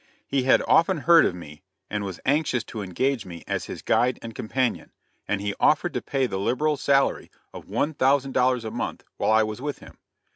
He had often heard of me, and was anxious to engage me as his guide and companion, and he offered to pay the liberal salary of one thousand dollars a month while I was with him.